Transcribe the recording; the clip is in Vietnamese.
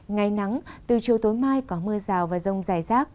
ngày nắng từ chiều tối mai có mưa rào và rông dài rác